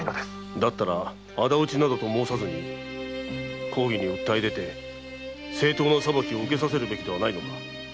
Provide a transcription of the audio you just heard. だったら仇討ちなどと申さず公儀に訴え出て正当な裁きを受けさせるべきではないのか？